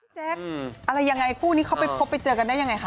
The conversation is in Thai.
แจ๊คอะไรยังไงคู่นี้เขาไปพบไปเจอกันได้ยังไงคะ